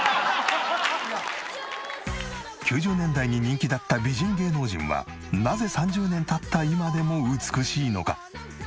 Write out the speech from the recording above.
９０年代に人気だった美人芸能人はなぜ３０年経った今でも美しいのか？